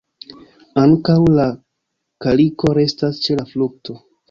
Ankaŭ la kaliko restas ĉe la frukto.